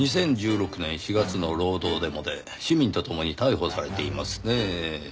２０１６年４月の労働デモで市民と共に逮捕されていますねぇ。